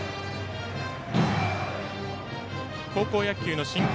高校野球の申告